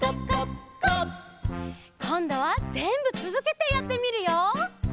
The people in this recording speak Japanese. こんどはぜんぶつづけてやってみるよ！